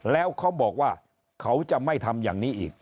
แล้วเขาบอกว่าเขาจะไม่ทำอย่างนี้อีก